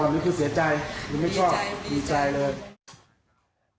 ความรู้คือเสียใจหรือไม่ชอบมีใจเลยความรู้คือเสียใจหรือไม่ชอบมีใจเลย